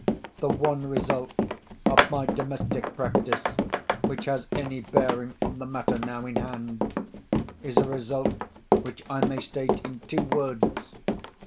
The one result of my domestic practice which has any bearing on the matter now in hand, is a result which I may state in two words.